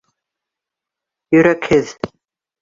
Йөрәкһеҙ!